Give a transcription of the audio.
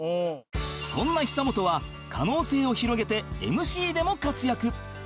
そんな久本は可能性を広げて ＭＣ でも活躍